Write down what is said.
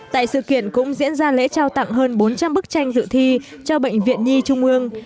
tại sự kiện cũng diễn ra lễ trao tặng hơn bốn trăm linh bức tranh dự thi cho bệnh viện nhi trung ương